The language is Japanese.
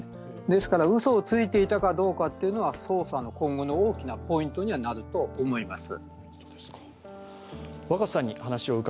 ですから、うそをついていたかどうかは捜査の今後の大きなポイントになるとは思います。